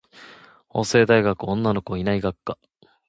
法政大学女の子いない学科